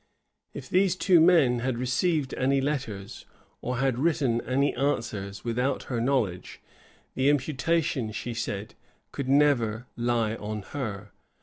If these two men had received any letters, or had written any answers, without her knowledge, the imputation, she said, could never lie on her.